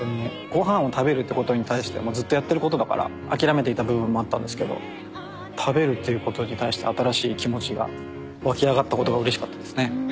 ご飯を食べるってことに対してずっとやってることだから諦めていた部分もあったんですけど食べるっていうことに対して新しい気持ちが湧き上がったことがうれしかったですね。